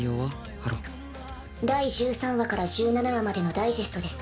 ハロ第１３話から１７話までのダイジェストです